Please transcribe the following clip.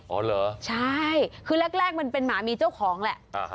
อ๋อเหรอใช่คือแรกมันเป็นหมามีเจ้าของแหละ